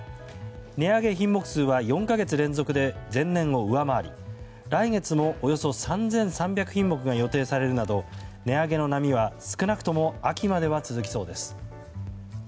値上げ品目数は４か月連続で前年を上回り来月もおよそ３３００品目が予定されるなど値上げの波は、少なくとも秋までは続きそうです。